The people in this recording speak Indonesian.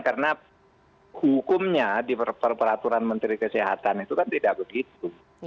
karena hukumnya di peraturan menteri kesehatan itu kan tidak begitu